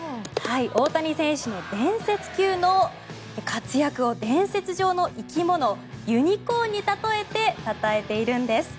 大谷選手の伝説級の活躍を伝説上の生き物ユニコーンに例えてたたえているんです。